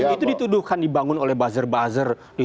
itu dituduhkan dibangun oleh buzzer buzzer